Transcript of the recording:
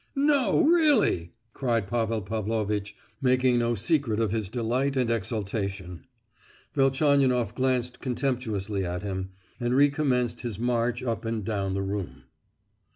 "No, really!" cried Pavel Pavlovitch, making no secret of his delight and exultation. Velchaninoff glanced contemptuously at him, and recommenced his march up and down the room.